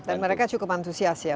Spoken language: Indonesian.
dan mereka cukup antusias ya